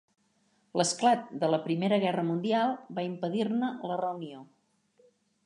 L'esclat de la Primera Guerra Mundial va impedir-ne la reunió.